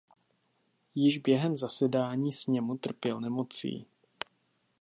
Již během zasedání sněmu trpěl nemocí.